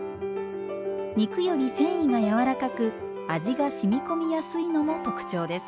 肉より繊維がやわらかく味がしみ込みやすいのも特徴です。